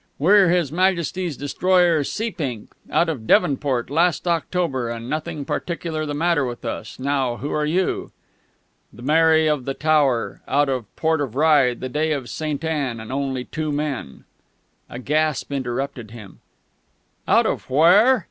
We're His Majesty's destroyer_ Seapink, out of Devonport last October, and nothing particular the matter with us. Now who are you?" "The Mary of the Tower, out of the Port of Rye on the day of Saint Anne, and only two men " A gasp interrupted him. "Out of WHERE?"